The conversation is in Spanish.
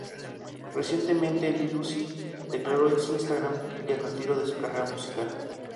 Recientemente, Lil Uzi declaró en su Instagram, el retiro de su carrera musical.